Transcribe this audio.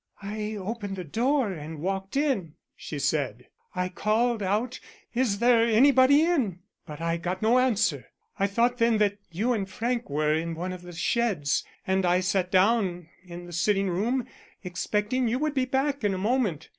"I opened the door and walked in," she said. "I called out 'Is there anybody in?' but I got no answer. I thought then that you and Frank were in one of the sheds, and I sat down in the sitting room, expecting you would be back in a moment.